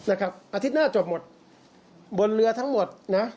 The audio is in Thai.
อาทิตย์หน้าจบหมดบนเรือทั้งหมดนะ